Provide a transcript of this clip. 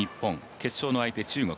決勝の相手、中国。